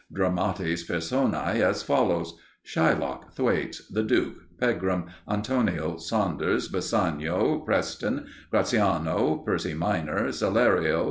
Dramatis Personæ as follows: Shylock. Thwaites. The Duke. Pegram. Antonio. Saunders. Bassanio. Preston. Gratiano. Percy Minor. Salerio.